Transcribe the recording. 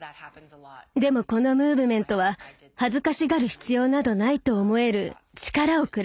でもこのムーブメントは恥ずかしがる必要などないと思える力をくれたんです。